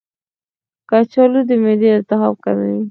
کچالو د معدې التهاب کموي.